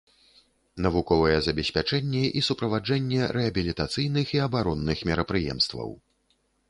Навуковае забеспячэнне і суправаджэнне рэабілітацыйных і абаронных мерапрыемстваў.